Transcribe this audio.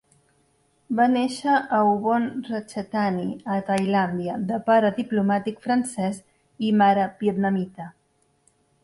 Va néixer a Ubon Ratchathani, a Tailàndia, de pare diplomàtic francès i mare vietnamita.